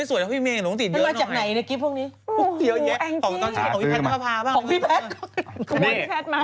เต็มบลินเต็มของพี่แพทย์ก็มาอีก